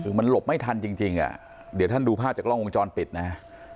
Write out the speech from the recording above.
คือมันหลบไม่ทันจริงอ่ะเดี๋ยวท่านดูภาพจากกล้องวงจรปิดนะฮะ